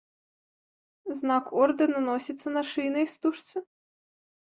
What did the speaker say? Знак ордэна носіцца на шыйнай стужцы.